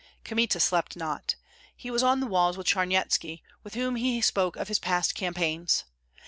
Kmita slept not; he was on the walls with Charnyetski, with whom he spoke of his past campaigns.